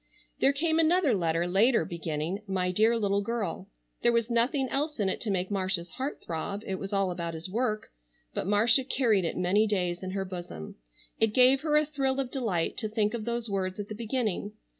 There came another letter later beginning, "My dear little girl." There was nothing else in it to make Marcia's heart throb, it was all about his work, but Marcia carried it many days in her bosom. It gave her a thrill of delight to think of those words at the beginning.